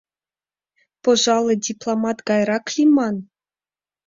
Пожале, дипломат гайрак лийман.